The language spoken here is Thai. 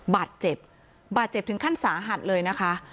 บาดเจ็บบาดเจ็บถึงขั้นสาหัสเลยนะคะ